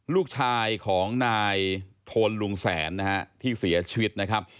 ลูกชายของนายโทนลุงแสนนะฮะที่เสียชีวิตนะครับ